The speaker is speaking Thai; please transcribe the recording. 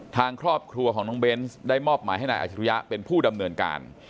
ทางครอบครัวของน้องเบนส์ได้มอบหมายให้นายอาชิริยะเป็นผู้ดำเนินการ